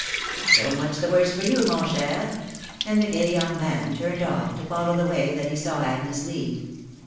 " So much the worse for you, mon cher" and the gay young man turned off, to follow the way that he saw Agnes lead.